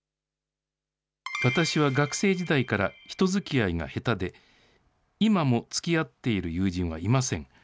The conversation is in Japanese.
私は学生時代から人づきあいが下手で、今もつきあっている友人はいません。